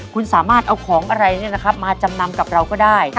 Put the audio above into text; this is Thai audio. คุณสามารถเอาของอะไรมาจำนำกับเราก็ได้